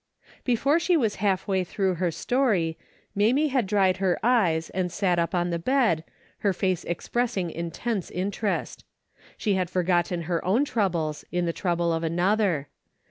Before she was half way through. the story, Mamie had dried her eyes and sat up on the bed, her face expressing intense interest. She had forgotten her own troubles in the trouble of another.